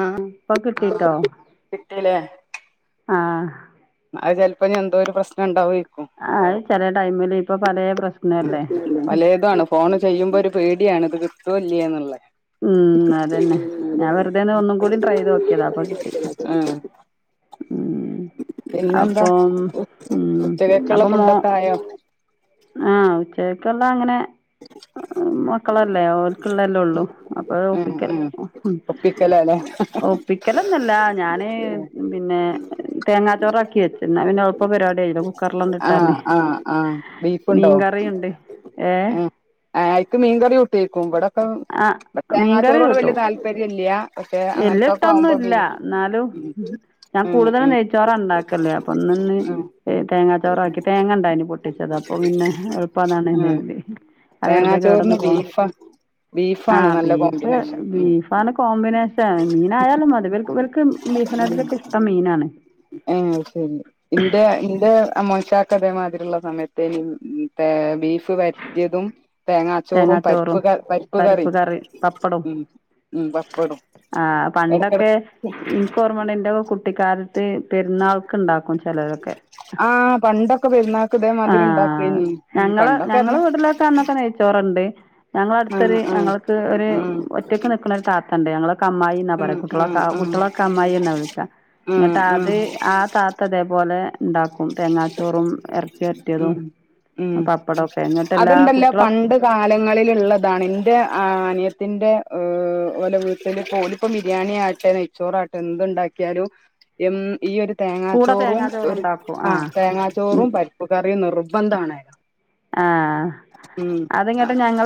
ആഹ് ഇപ്പൊ കിട്ടിട്ടോ കിട്ടില്ലേ ആഹ് അത് ചെലപ്പോ ഇഞ്ഞി എന്തോ ഒരു പ്രശ്നം ഉണ്ടാവെ അത് ചെല ടൈമില് ഇപ്പൊ പലേ പ്രശ്നല്ലേ. പലേത് ആണ് ഫോണ് ചെയ്യുമ്പോ ഒരു പേടിആണ് ഇത് കിട്ടോ ഇല്ല്യോ എന്ന് ഉള്ളെ. ഉം അതന്നെ ഞാൻ വെറുതെന്ന ഒന്നും കൂടി ട്രൈ ചെയ്ത് നോക്കിതാ അപ്പൊ കിട്ടി. ആഹ് മ് പിന്നെന്താ അപ്പം മ് ഉച്ചക്കേക്കുള്ള അപ്പൊ മോ ഫുഡൊക്കെ ആയോ ആഹ് ഉച്ചക്കൊള്ളെ അങ്ങനെ മക്കളല്ലേ ഓൽക്കൊള്ള അല്ലെ ഉള്ളൂ. അപ്പൊ ഉം ഒപ്പിക്കല് ഉം ഹ ഹം ഒപ്പിക്കലാല്ലേ ഒപ്പിക്കലൊന്നുവല്ല ഞാന് പിന്നെ തേങ്ങാ ചോറാക്കി വെച്ചു എന്നാ പിന്നെ എളുപ്പൊ പരിപാടി കയൂലോ ക്കർല്ലാണ്ട് ഇട്ടാല്ല് ആഹ് ആഹ് ആഹ് ബീഫുണ്ടോ മീൻകറീണ്ട് ഏഹ് ആഹ് അവരക്ക് മീൻകറി കൂട്ടികയിക്കും ഇവടൊക്കെ ആഹ് തേങ്ങാ ചോറീനോട് വെല്ല്യ താല്പര്യം ഇല്ല്യാ വെല്ല്യ ഇഷ്ടൊന്നു ഇല്ല എന്നാലും ഞാൻ ഉം കൂടുതലും ഉം നെയ്ച്ചോറാ ഉണ്ടാക്ക ക്കല്ലേ അപ്പൊ ഇന്ന്ന്ന് ഉം തേങ്ങാ ചോറ് ആക്കി തേങ്ങണ്ടായിന് പൊ ട്ടിച്ചത് അപ്പൊ പിന്നെ എളുപ്പന്നാർണ് ഉം അത് വെറുതെ തേങ്ങാച്ചോറിന് കേടൊന്ന് പോവ ബീഫാ ബീഫാണ് ആഹ് നല്ല ബീഫ് കോമ്പിനേഷൻ ഉം ബീഫാണ് കോമ്പിനേ മീനായാലും മതി വെൽക്ക് വെൽക്ക് ബീഫിനാട്ടിലൊക്കെ ഇഷ്ടം മീനാണ് ഏഹ് അത്ശരി ഇന്റെ ഇന്റെ അമോശാക്ക തേമാതിരിള്ള സമയത്തേനി ബീഫ് വരട്ടിയതും തേങ്ങാച്ചോറും പരിപ്പ് ക പരിപ്പ് കറി ഉം പപ്പടും ഇടകെടക്ക് ഇന്ക്ക് ഒർമ്മണ്ട് ന്റെ കുട്ടിക്കാലത്ത് പെരുന്നാൾക്ക് ണ്ടാക്കും ചെലരൊക്കെ ആഹ് പണ്ടൊക്കെ പെരുന്നാക്ക് ഇതേമാതിരി ഇണ്ടാക്കെയിനി പണ്ടൊക്കെ പറഞ [unintelligible] ചോറൊണ്ട് ഞങ്ങളെട്ത്ത് ഒര് ആഹ് ആഹ് ഞങ്ങൾക്ക് ഒര് ആഹ് ഒറ്റക്ക് നിക്കണ ഒര് താത്തണ്ട് ഞങ്ങളെ അമ്മായിന്നാ പറയാ ആഹ് കുട്ടളൊക്കെ ആഹ് കുട്ടളെ ഒക്കെമ്മായിന്നാ വിളിക്കാ എന്നിട്ട് ആഹ് ആഹ് അത് ആഹ് ആ താത്തതേപോലെ ഉണ്ടാക്കും തേങ്ങാച്ചോറും എറച്ചി വരട്ടിയതും ഉം ഉം പപ്പടൊക്കെ എനിട്ട് എല്ലാ അതുണ്ടല്ലോ കുട്ട്യാളോ പണ്ട് കാലങ്ങളിൽ ഇള്ളതാണ് ഇന്റെ അനിയത്തിന്റെ ഓലെ വീട്ടിലും പോലും ഇപ്പൊ ബിരിയാണി ആട്ടെ നെയച്ചോറാട്ടെ എന്തു ഉണ്ടാക്കിയാലും എന്ത് ഈ ഒരു കൂടെ തേങ്ങാച്ചോറും തേങ്ങാ ഒരു ചോറുണ്ടാക്കും ആ ആഹ് തേങ്ങാച്ചോറും പരിപ്പ് കറിയും നിർബന്ധ ആണ് ആഹ് അത്ങ്ങട്ട് ആഹ് ഞങൾ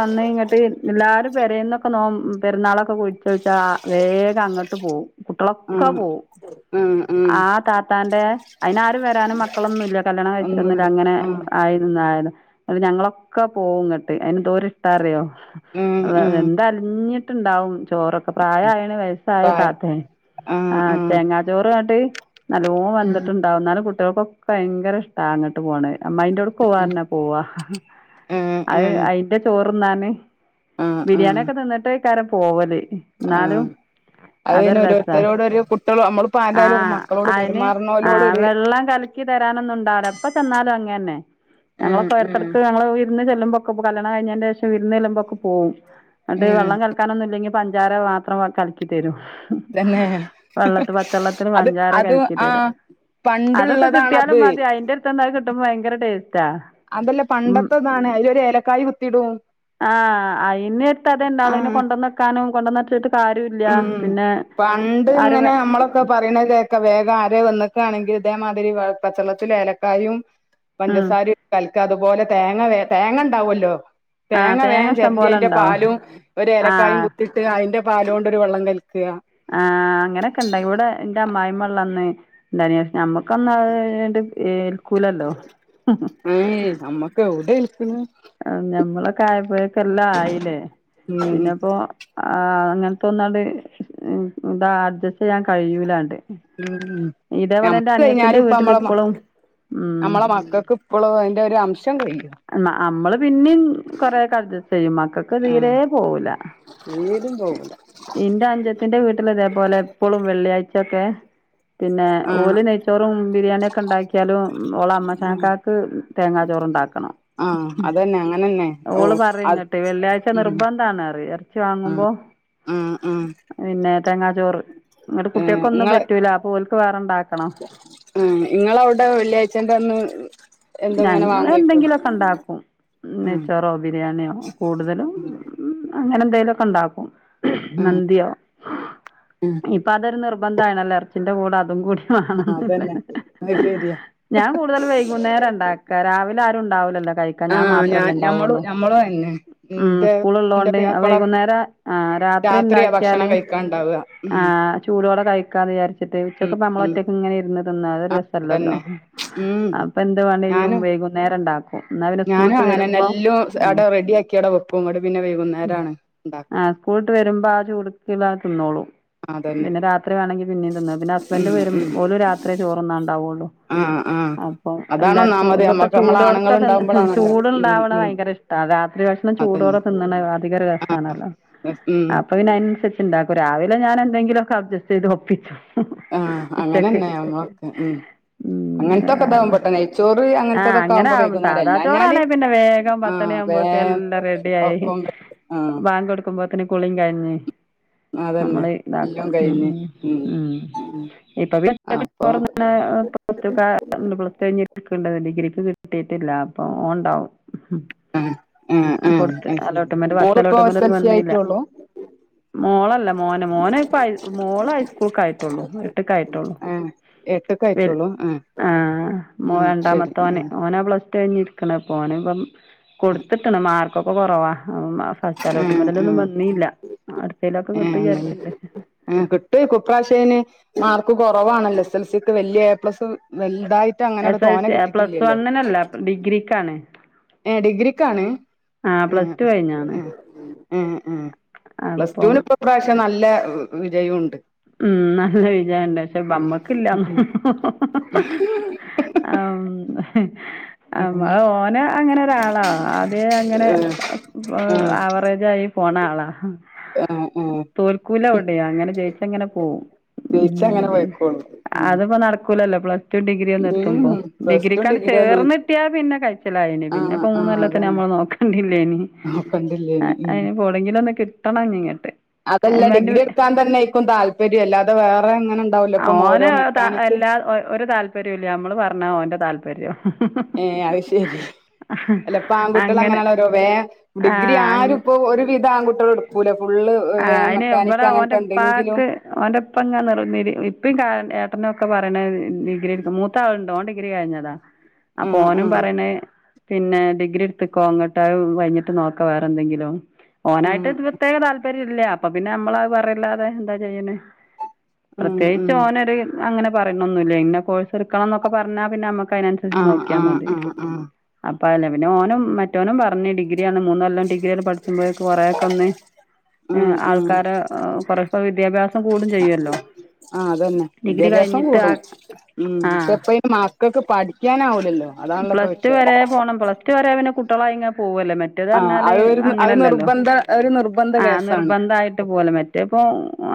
വന്ന് ഇങ്ങട്ട് എല്ലാരും പെരേന്നൊക്കെ നോ പെരുന്നാളൊക്കെ കുഴിച്ചു എന്താ വേഗം അങ്ങോട്ട് പോവും കുട്ടികളൊക്കെ പോവും ഉം ഉം ആ താത്താന്റെ അയിന് ആരും വരാനും മക്കളൊന്നുംല്ല കല്യാണം കഴിച്ചിട്ടൊന്നുമില്ല ഒന്നുല്ല അങ്ങനെ ആഹ് ആയി അപ്പം ഞങ്ങളൊക്കെ പോവുംങ്ങട്ടെ അതിന് എന്തോര് ഇഷ്ടാറിയോ ആഹ് ആഹ് ഇത അലിഞ്ഞിട്ടുണ്ടാവും ചോറൊക്കെ പ്രായആയെനവെ സായ പായ താത്ത ആണ് ആഹ് തേങ്ങാ ചോറ് ങ്ങട്ട് നല്ലോം വന്തിട്ടുണ്ടാവും എന്നാലും കുട്ടികൾക്കൊക്കെ ഭയങ്കര ഇഷ്ട അങ്ങോട്ട് പോണ് അമ്മയി ക്ക് പോവാറഞ്ഞാ പോവാ ആഹ് ആഹ് അത് ആഹ് അയിന്റെ ചോറ്ന്നാന് ആഹ് ബിരിയാണി ആഹ് ഒക്കെ തിന്നിട്ട് എകാരം പോവല് ആഹ് എന്നാലും അത് അതൊരു പിന്നെ രസ ഓരോരുത്തരോടൊരു കുട്ടികള് നമ്മളിപ്പോ ആരായാലും ആഹ് മക്കളോട് അതിന് ആഹ് പെരുമാറുന്നോലോടൊരു വെള്ളം കല ക്കി തരാനൊന്നുണ്ടാവൂല എപ്പൊ ചെന്നാലും അങ്ങന തന്നെ ആഹ് ഞങ്ങളൊക്കെ ആഹ് ഇടക്കിട ങ്ങങ്ങള് വിരുന്ന് ചെല്ലുമ്പൊക്കെ കല്യാണം കഴിഞ്ഞതിന്റെ ശേഷം ഇരുന്ന് ചെല്ലുമോക്കെ പോവും അട്ട് ഉം വെള്ളം കലക്കാനൊന്നും ഇല്ലെങ്കി പഞ്ചാര മാത്രം കലക്കി തരും തന്നെ വെള്ളത്തി പച്ചെള്ളത്തില് അത് പഞ്ചാര അത് കലക്കി ആ തരും അതൊക്കെ കിട്ടിയാലും പണ്ടുള്ളതാണത് അതിന്റെ അടുത്ത് അത് കിട്ടുമ്പോൾ ഭയങ്കര ടേസ്റ്റ് അതല്ലേ പണ്ടത്തതാണ് അതിലൊര് ഏലക്കായ കുത്തിടും ആഹ് അയിൻ്റെ അടുത്ത് അതെണ്ടാവും ആഹ് കൊണ്ടന്നക്കാനും കൊണ്ടന്നച്ചിട്ട് കാര്യല്ല ഉം പിന്നെ പണ്ട് ആരും ഇങ്ങനെ നമ്മളൊക്കെ പറയണ കേക്കെ വേഗം ആര് വന്നക്കയാണെങ്കിൽ ഇതേമാതിരി പച്ചള്ളത്തില ഏലക്കായും ഉം പഞ്ചസാര കൽക്ക അതുപോലെ തേങ്ങ വ തേങ്ങ ഉണ്ടാവല്ലോ ആഹ് തേങ്ങ വേഗം ഇഷ്ടം ചെരണ്ടി പോലെ അതിന്റെ ഉണ്ടാവും പാലും ഒരു ഏലക്കായും ആഹ് കുത്തി അതിന്റെ പാല് കൊണ്ടൊരു വെള്ളം കൽക്കുക ആഹ് അങ്ങനെക്കെ ഇണ്ട് ഇവിടെ എന്റെ അമ്മായിമ്മ ഇള്ളന്ന് ഇണ്ടായിനി ഞമ്മക്കന്നണ്ട് ഏൽക്കൂലല്ലോ ഏയ്യ് ഞമ്മക്ക് എവിടെ ഏൽക്കുന്നു ആഹ് ഞമ്മളൊക്കെ ആയപ്പോഴേക്ക് എല്ലാം ആയില്ലേ ഉം പിന്നെപ്പോ ആഹ് അങ്ങനെത്തെൊന്നാണ്ട് ഇതാ അഡ്ജസ്റ്റ് ചെയ്യാൻ കഴിയൂലാണ്ട് ഉം ഇതേപോലെ എന്റെ നമ്മക്ക് അനിയത്തിന്റെ കഴിഞ്ഞാലും ഇപ്പം വീട്ടിൽ നമ്മളെ ഇപ്പളും ഉം നമ്മളെ മക്കൾക്ക് ഇപ്പോളോ അയിന്റെ ഒരു അംശം കഴിയു നമ്മള് പിന്നേം കൊറെേയൊക്കെ അഡ്ജസ്റ്റ് ചെയ്യും മക്കക്ക് ആഹ് തീരെ പോവൂല തീരും പോകൂല എന്റെ അനുജത്തിന്റെ വീട്ടില് ഇതേപോലെ എപ്പളും വെള്ളിയാഴ്ചൊക്കെ പിന്നെ ആഹ് ഓല് നെയ്ച്ചോറും ബിരിയാണിയൊക്കെ ഉണ്ടാക്കിയാലും ഓളെ അമ്മശനക്കാക്ക് തേങ്ങാ ചോറ് ഉണ്ടാക്കണം ആഹ് അതന്നെ അങ്ങനെതന്നെ ഓ ഓള് പറയും അത് ഇങ്ങട്ട് വെള്ളിയാഴ്ച മം നിർബന്ധാണ് പറയും ഇറച്ചി മം വാങ്ങുമ്പോ മം മം പിന്നെ തേങ്ങ ചോറ് ഇങ്ങടെ ഏഹ് കുട്ടികക്ക് ഒന്നും ഇങ്ങള് പറ്റൂല അപ്പം ഓല്ക്ക് വേറെ ഇണ്ടാക്കണം മം ഇങ്ങളവിടെ വെള്ളിയാഴ്ച എന്താന്ന് ഞങ്ങള് എന്തെങ്കിലുവൊക്കെ ഉണ്ടാക്കും ആഹ് നെയ്ച്ചോറോ ബിരിയാണിയോ കൂടുതലും മം അങ്ങനെ എന്തെേലുവൊക്കെ ഉണ്ടാക്കും മന്തിയോ മം ഇപ്പൊ അതൊരു നിർബന്ധം ആയിണല്ലൊ എറച്ചിന്റെ കൂടെ അതും കൂടി ആഹ് വേണെന്നുള്ളത് അതന്നെ അത് ശരിയാ ഞാൻ കൂടുതലും വൈകുന്നേരം ഉണ്ടാക്ക രാവിലെ ആരും ഉണ്ടാവൂലല്ലോ കഴി ക്ക ഞാൻ ആഹ് മാത്രമല്ലേ ഞമ്മളും ഉണ്ടാവുള്ളൂ ഞമ്മളും തന്നെ ഉം ഇന്റെ ഇന്റെ സ്കൂളുള്ളോണ്ട് പുയ്യാപ്പള വൈകുന്നേരം ആഹ് രാത്രി രാത്രിയാ ഭക്ഷണം ഉണ്ടാക്കിയാല് കഴിക്കാണ്ടാവ ഉം ആഹ് ചൂടോടെ കഴിക്കാന്ന്ചാരിച്ച് ഉം [unintelligible] നമ്മള് ഉം ഒറ്റക്ക് ഇങ്ങനെ ഇരുന്ന് തിന്ന അതൊരു ആഹ് രസല്ലല്ലോ അതന്നെ ഉം അപ്പൊ എന്ത ഞാനും [unintelligible] വൈകുന്നേരം ഉണ്ടാക്കും ഞാനും അങ്ങനെതന്നെ എല്ലോം അവിടെ റെഡിയാക്കി അവടെ വക്കും അങ്ങോട്ട് പിന്നെ വൈകുന്നേരമാണ് ഉണ്ടാക്കാ സ്കൂൾ വിട്ട് വരുമ്പോ ആ ചുടുക്കില തിന്നോളും അതന്നെ പിന്നെ രാത്രി വേണെങ്കി പിന്നെയും തിന്നാം പിന്നെ ഹസ്ബൻഡ് ഉം വരും ഉം ഓലും രാത്രിയെ ചോറു ഉണ്ണാൻ ഉണ്ടാവുള്ളൂ ആഹ് ആഹ് അപ്പം അതാണ് എല്ലാവർക്കും ഒന്നാമത് ഇതൊക്കെ നമ്മക്ക് നമ്മള ആണുങ്ങൾ ചൂടോടൊക്കെ തിന്ന് ഉണ്ടാവുമ്പോളാണല്ലോ ഉം ചൂടുണ്ടാവണ ഉം ഭയങ്കര ഇഷ്ട രാത്രി ഭക്ഷ ണം ചൂടോടെ തിന്നണെ അധിക ഒരു രസവാണല്ലോ അത് അപ്പം പിന്നെ അയിന് അനുസരിച്ച് ഇണ്ടാക്കും രാവിലെ ഞാൻ എന്തെങ്കിലൊക്കെ അഡ്ജസ്റ്റ് ചെയ്ത് ഒപ്പിച്ചു- ആഹ് ഉച്ചക്ക് അങ്ങനെതന്നെ ഉം ഉം അങ്ങനത്തെ ഒക്കെ ഇതാവും അതെ പെട്ടെന്ന് ആഹ് അങ്ങനെ ആവും സാധാ അല്ലാഞ്ഞാല് ചോറാണേ പിന്നെ വേഗം പത്തുമണി ആഹ് ആവുമ്പോ ഒക്കെ വേം എല്ലാം റെഡിയായി- ഒക്കും ആഹ് ബാങ്ക് കൊടുക്കുമ്പോത്തന് കുളിയും കയിഞ്ഞ് അതന്നെ നമ്മള് ഇതാക്കും എല്ലും കഴിഞ്ഞ് ഉം മം ഇപ്പം അപ്പൊ [unintelligible] പ്ലസ്ടു ഒക്കെ [unintelligible] ഡിഗ്രിക്ക് കിട്ടിട്ടില്ല അപ്പം ഓൻ ഉണ്ടാവും ആഹ് ആഹ് ആഹ് കൊടുത്ത് അത് ശരി അലോട്ട്മെന്റ് ഫസ്റ്റ് മോളിപ്പോ അലോട്ട്മെന്റ് എസ് എൽ ഒന്നും സി വന്നീല്ല ആയിട്ടൊള്ളൂ മോളല്ല മോന് മോന് ഇപ്പോ ഹൈ മോള് ഹൈസ്കൂൾക്കായിട്ടുള്ളൂ ആയിട്ടെള്ളൂ ആയിട്ടുള്ളു ആഹ് എട്ട്ക്ക് വൽ ആയിട്ടൊള്ളൂ ആഹ് ആഹ് മോൻ ആഹ് ശരി രണ്ടാമത്തോന് ആഹ് ഓനാ പ്ലസ് ടു കഴിഞ്ഞു ഇരിക്കണ ഇപ്പം ഓന് ഇപ്പം കൊടുത്തിക്കണ് മാർക്കൊക്കെ കൊറവാ [unintelligible] ഫസ്റ്റ് ആഹ് അലോട്ട്മെൻ്റില് ഒന്നും ആഹ് വന്നില്ല അടുത്തയിലൊക്കെ ഏഹ് കിട്ടു അങ്ങനെ വിചാരിച്ചിണ്ട് ആഹ് കിട്ടുവായിരിക്കും ഈ പ്രവിശ്യം അയിന് മാർക്ക് കൊറവാണല്ലോ എസ് എസ് എൽ സിക്ക് വലിയ എ പ്ലസ് വലുതായി- ട്ട് അങ്ങനെ എസ് എൽ തോനെ സി പ്ലസ് കിട്ടിട്ടില്ലല്ലോ വണ്ണിനല്ല ഡിഗ്രിക്കാണ് ഏ ഡിഗ്രിക്കാണ് ആ പ്ലസ് ഏഹ് ടു കഴിഞ്ഞാണ് ഏഹ് പ്ലസ് അപ്പം ടൂവിന് ഇപ്പം ഈപ്രാവശ്യം നല്ല വിജയം ഉണ്ട് മം നല്ല വിജയവൊണ്ട് പക്ഷെ ഞമ്മക്ക് ഉം ഇല്ലാന്ന്- ആഹ് ആഹ് ഉം നമ്മടെ ഓന് അങ്ങനെ ഒരാളാ ആദ്യവേ അങ്ങനെ ഏഹ് ആഹ് ആവറേജായി- പോണ ആളാ ആഹ് ആഹ് തോൽക്കൂല എവിടെയും അങ്ങനെ ജയിച്ച് അങ്ങനെ പോവും ജയിച്ചങ്ങനെ പോയ്ക്കോളും ഉം അത് തിപ്പോ നടക്കൂലല്ലോ പ്ലസ്- ടൂ ഡിഗ്രി ഒന്ന് ഉം എത്തുമ്പോ പ്ലസ് ടു ഡിഗ്രിക്കാണ്ട് ഡിഗ്രി ഒന്നും ചേർന്നിട്ടിയാ പിന്നെ കഴിച്ചലായിനി പിന്നെ ആഹ് ഇപ്പൊ ആഹ് മൂന്നുകൊല്ലത്തിന് അതന്നെ നമ്മള് നോക്ക കണ്ടില്ലേനി നോക്കണ്ടില്ലേനി ഉം അയിനിപ്പോ എവിടെങ്കില്ലു ഒന്ന് കിട്ടണം ഇനിങ്ങട്ട് അതല്ല ഡിഗ്രി എടുക്കാൻ തന്നെയായിരിക്കും താല്പര്യം അല്ലാതെ വേറെ എങ്ങനെ അവന് ത എല്ലാ ഒരു താല്പര്യം ഇല്ല നമ്മള് പറഞ്ഞ ഓന്റെ താല്പര്യം ഏഹ് അത് ശരി അല്ല ഇപ്പൊ ആൺകുട്ടികള് അങ്ങനെ അങ്ങനെയുള്ള ഒരു വേ ഡിഗ്രി ആഹ് ആരിപ്പോ ഒരുവിധം ആൺകുട്ടികളു എടുക്കു ക്കൂല ഫുള്ള് വേ മെക്കാനിക്ക് അങ്ങനത്തെ എന്തെങ്കിലും ഓന്റെ ഇപ്പ ഇങ്ങനെ നിർ നിരീ ഇപ്പിയും ക ഏട്ടനും ഒക്കെ പറയണ ഡിഗ്രി എടുക്ക മൂത്ത ആളുണ്ട് ഓൻ ഡിഗ്രി കഴിഞ്ഞതാ അപ്പം ആഹ് ഓനും ആഹ് പറയണേ- പിന്നെ ഡിഗ്രി എടുത്തിക്കോ എന്നിട്ട് അത് കഴിഞ്ഞിട്ട് നോക്കാം വേറെന്തെങ്കിലും ഓനായിട്ടത് പ്രത്യേക താല്പര്യം ഇല്ല അപ്പൊ പിന്നെ നമ്മളത് പറയല്ലാതെ എന്താ ചെയ്യന്ന് ആഹ് പ്രത്യേകിച്ച് ആഹ് ഓനൊരു അങ്ങനെ പറയുന്നൊന്നുമില്ല ഇന്ന കോഴ്സ് എടുക്കണം എന്നൊക്കെ പറഞ്ഞാ പിന്നെ നമ്മുക്ക് അതിനനുസ അത് ആഹ് ആഹ് നോക്കിയാ മതി ആഹ് ആഹ് അപ്പ അല്ലേ പിന്നെ ഓനും മറ്റോനും പറഞ്ഞ് ഡിഗ്രിയാണ് മൂന്നെല്ലം ഡിഗ്രിയെല്ലാം പഠിച്ചുമ്പോയേക്കും കൊറെക്കെയൊന്ന്- ആഹ് ആഹ് ആഹ് ആൾക്കാരെ കൊറേയിപ്പ വിദ്യാഭ്യാസം കൂടും ചെയ്യുവല്ലോ ആഹ് അത് തന്നെ ഡിഗ്രി വിദ്യാഭ്യാസം കഴിഞ്ഞിട്ട് ആ കൂടും ഉം പക്ഷെ ആഹ് - മക്കൾക്ക് പഠിക്കാനാവില്ലല്ലോ പ്ലസ്ടു വരെ പോകണം പ്ലസ്ടു വരെ പിന്നെ കുട്ടികളായിങ്ങെനെ പോവല്ലേ മറ്റേ- മറ്റേത് ആഹ് പറഞ്ഞാല് അത് ഒരു അത് അങ്ങനെയല്ലല്ലോ നിർബന്ധ ഒരു നിർബന്ധ ആ കേസാണ് നിർബന്ധയിട്ട് പോണെ മറ്റ്- ചെലപ്പോ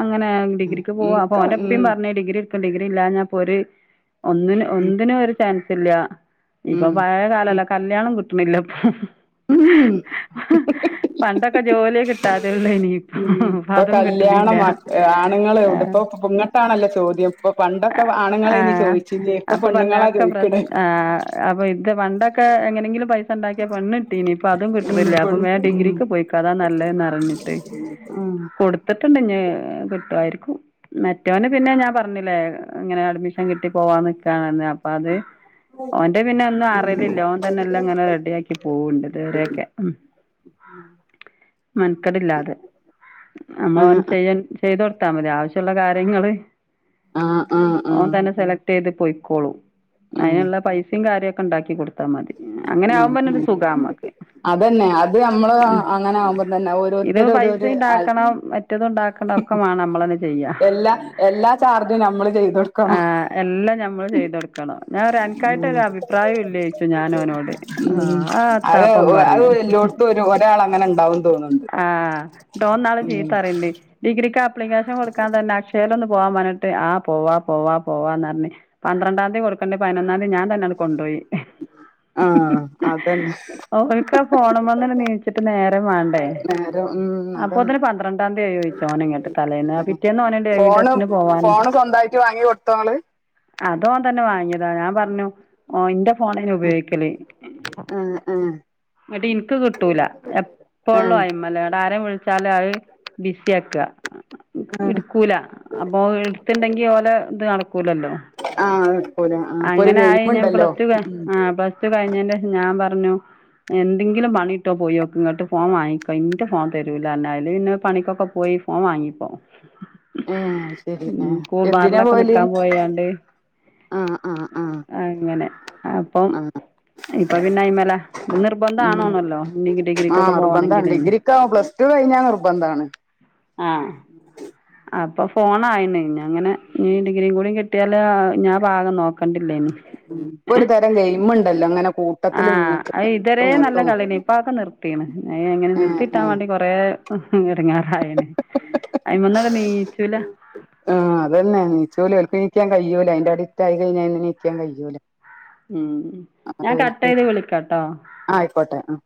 അങ്ങനെ ഡിഗ്രിക്ക് പോവാ അപ്പൊ ഇൻക്ക് ഓന്റെ ഉം ഉപ്പയും പറഞ്ഞേ ഡിഗ്രി- ഇപ്പ ഡിഗ്രിയില്ലാഞ്ഞാലിപ്പൊരു ഒന്നിനും ഒന്നിനും ഒരു ചാൻസ് ഇല്ല ഇപ്പൊ ഉം പയേ ഉം കാലല്ല കല്ല്യാണും കിട്ട്ണില്ല പ്പം ഉം ഉം പണ്ടൊക്കെ ജോല്യേ കിട്ടാതെയാെള്ളേനി ഉം ഇപ്പൊ കല്യാണം മ ആണ്ങ്ങള് ആഹ് ഇവിടിപ്പൊ പ്പങ്ങട്ടാണല്ലോ ചോദ്യം ഇപ്പൊ പണ്ടൊക്കെ ആണുങ്ങളേനി ആഹ് ചോയ്ച്ചീന്യേ ഇപ്പൊ അപ്പൊ പറഞ്ഞ് പെണ്ണ്ങ്ങളാ അതൊക്കെ പ്രശ് ചോയ്ക്ക്ണേ ആഹ് അപ്പൊ ഇത് പണ്ടൊക്കെ എങ്ങനെങ്കിലും പൈ സണ്ടാക്ക്യാ പെണ്ണ്ട്ടീനി ഇപ്പം അതും ഉം കിട്ട്ണില്ലാ അപ്പൊ പെൺ വേം ഉം ഡിഗ്രിക്ക് പോയ്ക്കോ അത് നല്ലത് ന്നർഞ്ഞിട്ട് ആഹ് പെത്തെ പിന്നെ കിട്ട്വായിരിക്കും മെറ്റാേന് പിന്നെ ഞാൻ പർഞ്ഞിലേ ഇങ്ങെനെ അഡ്മിഷൻ കിട്ടി പോവാ നിക്കാണർഞ്ഞ് അപ്പൊ അത് ഓന്റെ പിന്നെ ഒന്നും അറ്യേലില്ല ഓൻ തന്നെ എല്ലം ഇങ്ങെനെ റെഡ്യാക്കി പോവ്ണ്ട് ഇത്‌വരേക്കെ മെൻക്കെടില്ലാതെ ആഹ് നമ്മളാേന് ചെയ്യാൻ ചെയ്താെട്ത്താ മതി ആവശ്യള്ള കാര്യങ്ങള് ആഹ് ആഹ് ഓൻ ആഹ് തന്നെ സെലക്ടെയ്ത് പാെയ്ക്കോളും ആഹ് അയ്ന്ള്ളെ പയ്സിം കാര്യാെക്കെണ്ടാക്കി കൊട്ത്താ മതി അങ്ങെനെ ആഹ് ആഹ് ആവുമ്പന്നെര് സുഖാമ്മക്ക് അതന്നെ അത് അമ്മള് അങ്ങെനെ ആവുമ്പംത്തന്നെ ഓരോര്ത്തര് ഓരോര് ആല് റ്റതുണ്ടാക്കണം ഒക്കെ മാണം നമ്മളെന്നെ ചെയ്യാ എല്ലാ എല്ലാ ചാർജും ഞമ്മള് ചെയ്താെട്ക്കണം എല്ലം ഌമ്മള് ചെയ്തൊട് ക്കണം ഞാൻ പറയും ഉം അൻക്കായിട്ടാെരഭിപ്രായും ഇല്ലേയ്ച്ചും ഞാനോനോട് ആ അ എത്താപ്പം പറിം ഓന് ഇതെല്ലോട്ത്തും ഒര് ഒരാളങ്ങനെ ണ്ടാവും തോന്ന്ണ്‌ണ്ട് ആഹ് ട്ടോന്നാള് ചീത്തറീണ്ട് ഡിഗ്രിക്ക് ആപ്ലിക്കേഷൻ കൊട്ക്കാൻ തന്നെ അക്ഷയേലൊന്ന് പോവാമ്പർഞ്ഞിട്ട് ആഹ് പോവാ പോവാ പോവാന്നർഞ്ഞ് പന്ത്രണ്ടാംതി കൊട്ക്കെണ്ടെ പയ്നൊന്നാന്തി ഞാൻ തന്നെ ആണ്ട് കൊണ്ടാേയി ആഹ് അതന്നെ ഓല്ക്ക ഫോണ്‌മന്ന്ണ്ട് നീച്ചിട്ട് നേരം വാണ്ടേ നേരം ഉം അതന്നെ അപ്പോത്തിന് പന്ത്രണ്ടാംന്തി ആയോയ്ച്ച് ഓന് ങ്ങട്ട് തലേന്ന് പിറ്റേന്നോന് ഡ്രൈവിംഗ് ഫോണ് ടെസ്റ്റിന് പോവാന് ഫോണ് സ്വന്തായിട്ട് വാങ്ങി കൊട്ത്തോങ്ങള് അതോൻ തന്നെ വാങ്ങ്യതാ ഞാൻ പറഞ്ഞു ഓൻ ഇന്റെ ഫോണേനി ഉപയോഗിക്കല് ആഹ് ആഹ് ന്നട്ട് ഇൻക്ക് കിട്ടൂലാ എപ്പളും ആഹ് അയ്മ്മല് ങ്ങെട്ട് ആരേം വിൾ വിളിച്ചാല് അത് ബിസ്യാക്ക ആഹ് ഇട്ക്കൂലാ അപ്പോ ഇട്ത്തിൻടെ ങ്കി ഓലെ ത് നടക്കുലല്ലോ ആഹ് എടുക്കൂല ആഹ് ഇപ്പൊ ഒരു അങ്ങെനെ ആയി ഗെയിം ഞാൻ ഉണ്ടല്ലോ പ്ലസ്റ്റു ക ഉം ആഹ് പ്ലസ് റ്റു കയ്ഞ്ഞേന്റേഷം ഞാ പർഞ്ഞു എന്തെങ്കിലും പണി കിട്ടോ പോയോക്ക് ഇങ്ങട്ട് ഫോൺ വാങ്ങിക്കോ ഇന്റെ ഫോൺ തരൂലാർഞ്ഞു അയല് പിന്നെ പണിക്കൊക്കെ പോയി ഓൻ വാങ്ങി ഫോ ഏഹ് അത് ശെരി ഏഹ് എന്തിനാ കൂൾബാറിലൊക്കെ പോവല് നിക്കാം പോയാണ്ട് ആഹ് ആഹ് ആഹ് അങ്ങെനെ അപ്പം ആഹ് ഇപ്പൊ പിന്നെ അയ്മ്മലാ ഉം നിർബന്ധാണു ആണല്ലോ [unintelligible] ഡിഗ്രിക്കൊക്കെ പോണെങ്കില് ക്ക പ്ലസ്റ്റു കയ്ഞ്ഞാ നിർബന്ധാണ് ആഹ് അപ്പൊ ഫോണായ്ണ് ഞ്ഞങ്ങെനെ ഞ്ഞ് ഡിഗ്രിം കൂടി കി ട്ട്യാല് ഞ്ഞാ ഭാഗം നോക്കണ്ടില്ലേനി ഉം ഇപ്പൊ ഒര് തെരം ഗെയിമ്ണ്ടല്ലോ ങ്ങെനെ കൂ ആഹ് അത് ഇതരേ നല്ല കള്യേന്നി ഇപ്പ അ ഒക്കെ നിർത്തീണ് അത് എങ്ങെനേം ഏഹ് നിർത്തിട്ടാം ഏഹ് വാണ്ടി കൊറേ എട്ങ്ങേറായിണ് അയ്മന്ന്ങ്ങട്ട് നീച്ചൂലാ ആഹ് അതെന്നെ നീച്ചൂല ഓൽക്ക് നീക്കാൻ കയ്യൂല അയ്ന്റെ അഡിറ്റായി കയ്ഞ്ഞാ നീക്കാൻ കയ്യൂലാ ഉം ഉം ഞാൻ കട്ടെയ്ത് വിളിക്കട്ടോ അആയിക്കോട്ടെ ആ